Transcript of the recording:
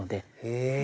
へえ！